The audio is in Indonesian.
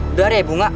udah deh ibu nggak